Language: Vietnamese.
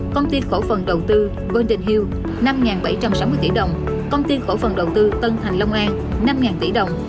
công ty khổ phần đầu tư burnton hill năm bảy trăm sáu mươi tỷ đồng công ty khổ phần đầu tư tân thành long an năm tỷ đồng